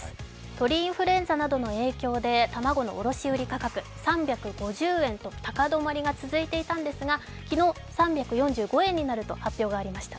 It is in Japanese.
鳥インフルエンザなどの影響で卵の卸売価格、３５０円と高止まりが続いていたんですが、昨日、３４５円になると発表がありました。